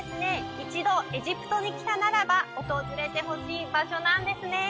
一度エジプトに来たならば訪れてほしい場所なんですね